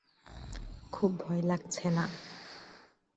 খুব ভয় লাগছে, না?